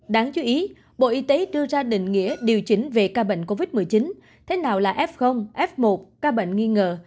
đáng chú ý bộ y tế đưa ra định nghĩa điều chỉnh về ca bệnh covid một mươi chín thế nào là f f một ca bệnh nghi ngờ